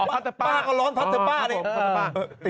พัทธรป้าก็ร้อนพัทธรป้าดิ